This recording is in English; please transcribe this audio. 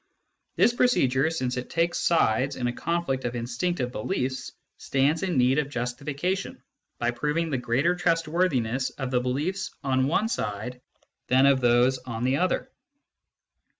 This procedure, since it takes sides in a conflict of instinctive beliefs, stands in need of justification by proving the greater trustworthiness of the beliefs on one side than of those on the other.